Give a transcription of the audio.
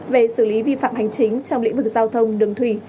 về xử lý vi phạm hành chính trong lĩnh vực giao thông đường thủy